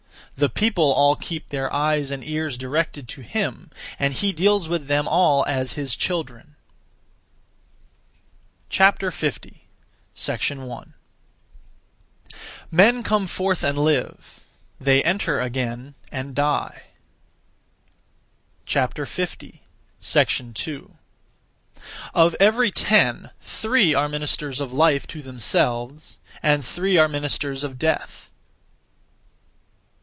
The people all keep their eyes and ears directed to him, and he deals with them all as his children. 50. 1. Men come forth and live; they enter (again) and die. 2. Of every ten three are ministers of life (to themselves); and three are ministers of death.